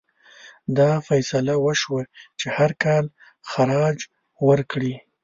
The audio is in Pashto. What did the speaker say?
دا فیصله وشوه چې هر کال خراج ورکړي.